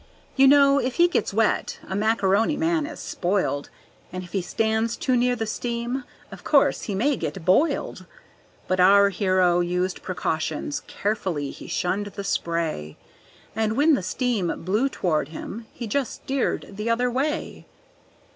You know if he gets wet, a Macaroni Man is spoiled, And if he stands too near the steam, of course he may get boiled. But our hero used precautions, carefully he shunned the spray, And when the steam blew toward him, he just steered the other way.